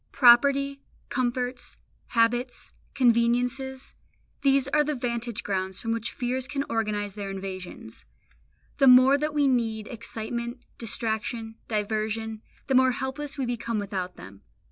Property, comforts, habits, conveniences, these are the vantage grounds from which fears can organise their invasions. The more that we need excitement, distraction, diversion, the more helpless we become without them.